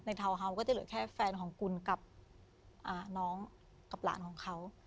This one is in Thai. ทาวน์เฮาส์ก็จะเหลือแค่แฟนของคุณกับน้องกับหลานของเขา